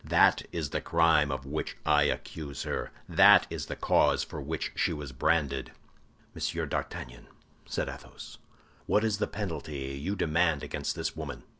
"That is the crime of which I accuse her; that is the cause for which she was branded." "Monsieur d'Artagnan," said Athos, "what is the penalty you demand against this woman?"